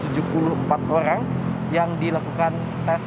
data dinas kesehatan dki jakarta mencatat bahwa dalam satu pekan terakhir ini